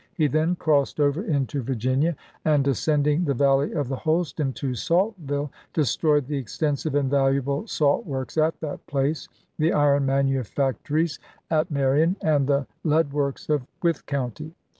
He then crossed over into Vir ginia, and ascending the Valley of the Holston to Saltville destroyed the extensive and valuable salt works at that place, the iron manufactories at Marion, and the leadworks of Wythe County.